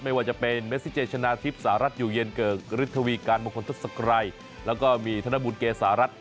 ไม่ว่าจะเป็นเมซิเจชนะทิพย์สหรัฐอยู่เย็นเกิกฤทธวีการมงคลทศกรัยแล้วก็มีธนบุญเกษารัฐ